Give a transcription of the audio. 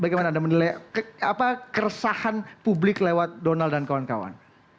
bagaimana anda menilai keresahan publik lewat donald dan kawan kawan